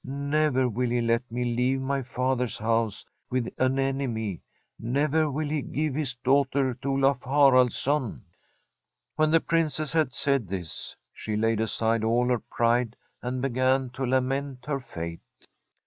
Never will he let me leave my father's house with an enemy; never will he give his daughter to Olaf Haraldsson.' When the Princess had said this, she laid aside all her pride and began to lament her fate.